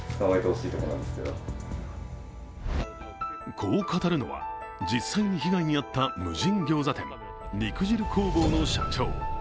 こう語るのは、実際に被害に遭った無人ギョーザ店肉汁工房の社長。